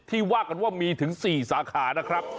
ว่ากันว่ามีถึง๔สาขานะครับ